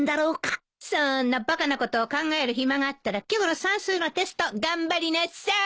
そんなバカなことを考える暇があったら今日の算数のテスト頑張りなさい。